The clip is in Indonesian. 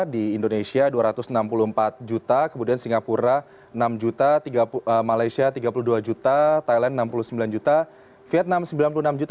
di indonesia dua ratus enam puluh empat juta kemudian singapura enam juta malaysia tiga puluh dua juta thailand enam puluh sembilan juta vietnam sembilan puluh enam juta